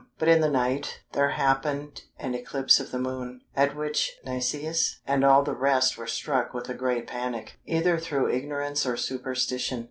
But in the night there happened an eclipse of the Moon, at which Nicias and all the rest were struck with a great panic, either through ignorance or superstition.